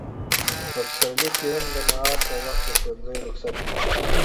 په پسرلي کې هم د نهال په وخت کې ښوونځي رخصت وي.